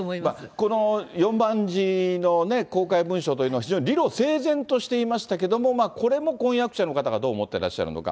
この４万字の公開文書というのは理路整然としていましたけれども、これも婚約者の方がどう思ってらっしゃるのか。